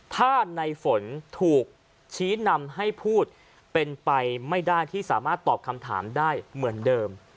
ถ้าในฝนถูกชี้นำให้พูดเป็นไปไม่ได้ที่สามารถตอบคำถามได้เหมือนเดิม